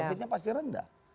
profitnya pasti rendah